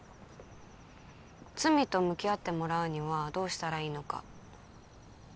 罪と向き合ってもらうにはどうしたらいいのか